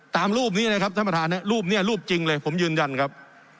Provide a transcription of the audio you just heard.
ตามรูปนี้นะครับท่านประธานรูปนี้รูปจริงเลยผมยืนยันครับ